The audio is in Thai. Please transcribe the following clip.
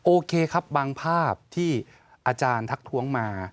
โอเคครับบางภาพที่อาจารย์ทักท้วงมา